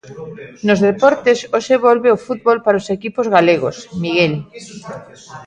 Nos deportes, hoxe volve o fútbol para os equipos galegos, Miguel.